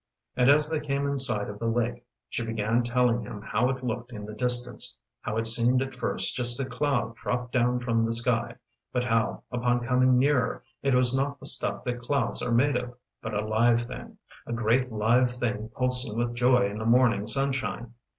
And as they came in sight of the lake she began telling him how it looked in the distance, how it seemed at first just a cloud dropped down from the sky, but how, upon coming nearer, it was not the stuff that clouds are made of, but a live thing, a great live thing pulsing with joy in the morning sunshine.